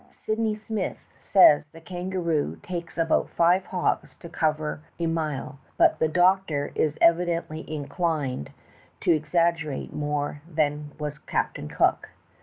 Sydney Smith says the kan garoo takes about five hops to eover a mile, but the doetor is evidently inelined to exaggerate more than was Captain Cook.